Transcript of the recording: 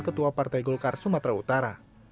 ketua partai golkar sumatera utara